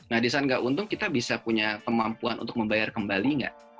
nah disaat nggak untung kita bisa punya kemampuan untuk membayar kembali nggak